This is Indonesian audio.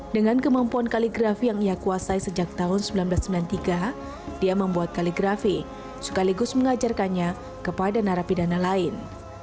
dengan kemampuan kaligrafi yang ia kuasai sejak tahun seribu sembilan ratus sembilan puluh tiga dia membuat kaligrafi sekaligus mengajarkannya kepada narapidana lain